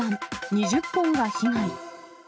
２０本が被害。